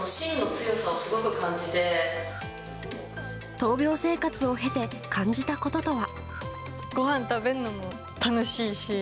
闘病生活を経て感じたこととは。